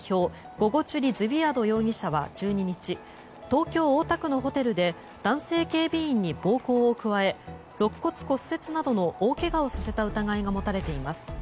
ゴゴチュリ・ズヴィアド容疑者は１２日東京・大田区のホテルで男性警備員に暴行を加え肋骨骨折などの大けがをさせた疑いが持たれています。